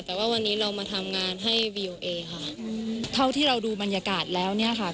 แต่ว่าวันนี้เรามาทำงานให้วีดีโอเอค่ะเท่าที่เราดูบรรยากาศแล้วเนี่ยค่ะ